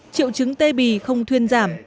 triệu chứng tê bì không thuyên giảm